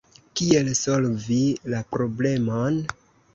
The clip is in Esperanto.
Kiel solvi la problemon?